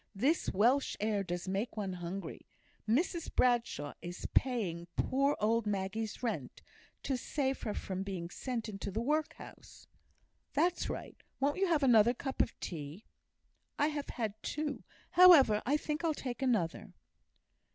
This Welsh air does make one hungry. Mrs Bradshaw is paying poor old Maggie's rent, to save her from being sent into the workhouse." "That's right. Won't you have another cup of tea?" "I have had two. However, I think I'll take another."